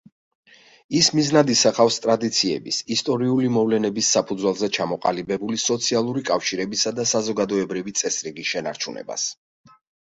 ის მიზნად ისახავს ტრადიციების, ისტორიული მოვლენების საფუძველზე ჩამოყალიბებული სოციალური კავშირებისა და საზოგადოებრივი წესრიგის შენარჩუნებას.